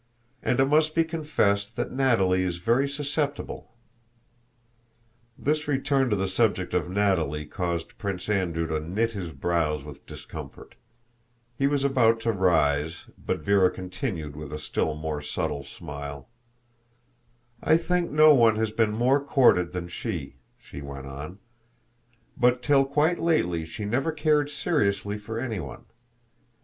And it must be confessed that Natalie is very susceptible." This return to the subject of Natalie caused Prince Andrew to knit his brows with discomfort: he was about to rise, but Véra continued with a still more subtle smile: "I think no one has been more courted than she," she went on, "but till quite lately she never cared seriously for anyone.